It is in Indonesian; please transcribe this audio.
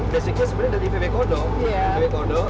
dasarnya sebenarnya dari vw kodok